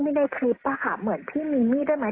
มีในคลิปอะค่ะเหมือนพี่มีมีดได้ไหม